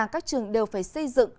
các trường đều phải xây dựng